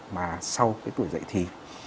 mà sau tuổi dạy thì